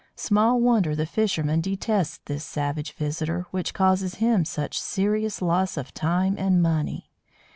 Small wonder the fisherman detests this savage visitor which causes him such serious loss of time and money.